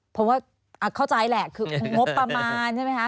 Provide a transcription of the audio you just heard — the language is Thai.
เพราะว่าเข้าใจแหละคืองบประมาณใช่ไหมคะ